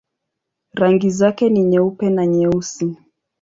Rangi zake ni nyeupe na nyeusi.